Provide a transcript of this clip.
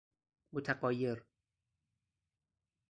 متغایر